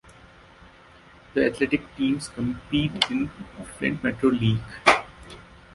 The athletic teams compete in the Flint Metro League.